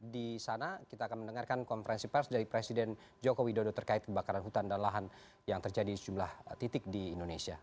di sana kita akan mendengarkan konferensi pers dari presiden joko widodo terkait kebakaran hutan dan lahan yang terjadi di sejumlah titik di indonesia